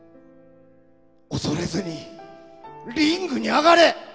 恐れずにリングに上がれ！